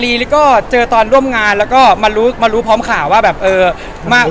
พี่เห็นไอ้เทรดเลิศเราทำไมวะไม่ลืมแล้ว